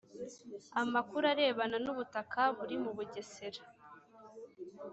amakuru arebana nubutaka buri mu bugesera